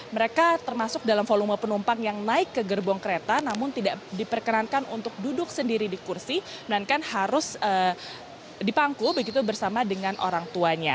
mereka termasuk dalam volume penumpang yang naik ke gerbong kereta namun tidak diperkenankan untuk duduk sendiri di kursi melainkan harus dipangkul begitu bersama dengan orang tuanya